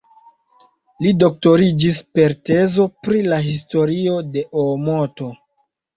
Li doktoriĝis per tezo pri la historio de Oomoto.